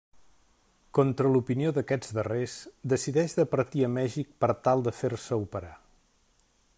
Contra l'opinió d'aquests darrers, decideix de partir a Mèxic per tal de fer-se operar.